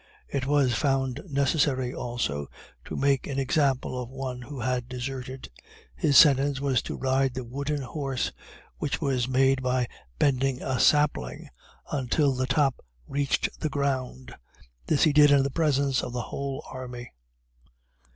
It was found necessary, also, to make an example of one who had deserted. His sentence was to ride the wooden horse; which was made by bending a sapling until the top reached the ground this he did in the presence of the whole army.